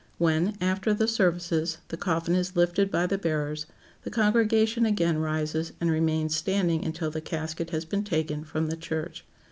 When, after the services, the coffin is lifted by the bearers, the congregation again rises and remains standing until the casket has been taken from the church.